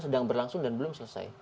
sedang berlangsung dan belum selesai